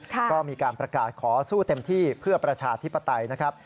ก็มีการประกาศขอสู้เต็มที่เพื่อประชาธิปไตยนะครับ